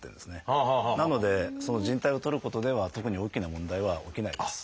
なのでじん帯を取ることでは特に大きな問題は起きないです。